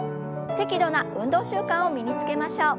適度な運動習慣を身につけましょう。